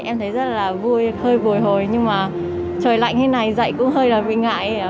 em thấy rất là vui hơi bồi hồi nhưng mà trời lạnh thế này dạy cũng hơi là vì ngại